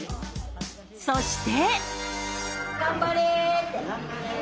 そして。